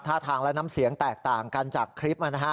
ท่าทางและน้ำเสียงแตกต่างกันจากคลิป